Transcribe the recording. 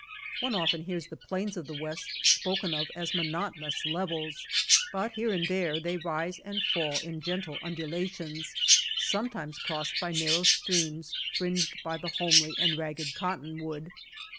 One often hears the plains of the West spoken of as monotonous levels. But here and there they rise and fall in gentle undulations, sometimes crossed by narrow streams fringed by the homely and ragged Cottonwood.